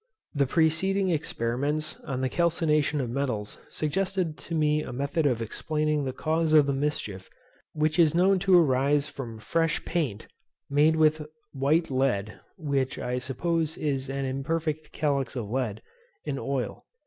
The preceding experiments on the calcination of metals suggested to me a method of explaining the cause of the mischief which is known to arise from fresh paint, made with white lead (which I suppose is an imperfect calx of lead) and oil.